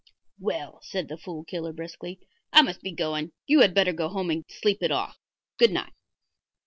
"Well," said the Fool Killer, briskly, "I must be going. You had better go home and sleep it off. Good night."